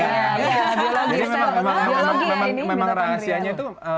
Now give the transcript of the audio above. jadi memang rahasianya itu